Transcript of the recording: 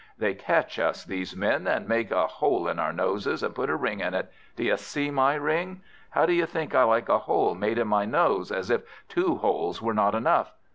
They catch us, these Men, and make a hole in our noses, and put a ring in it do you see my ring? How do you think I like a hole made in my nose, as if two holes were not enough!